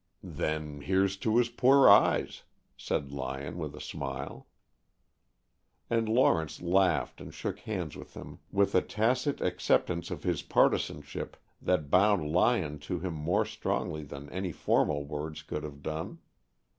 "Then here's to his poor eyes," said Lyon with a smile. And Lawrence laughed and shook hands with him with a tacit acceptance of his partisanship that bound Lyon to him more strongly than any formal words could have done.